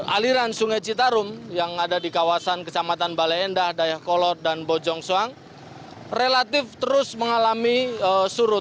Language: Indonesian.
aliran sungai citarum yang ada di kawasan kecamatan bale endah dayakolot dan bojongsoang relatif terus mengalami surut